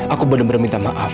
aku benar benar minta maaf